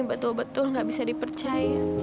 betul betul nggak bisa dipercaya